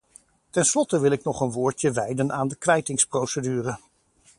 Tenslotte wil ik nog een woordje wijden aan de kwijtingsprocedure.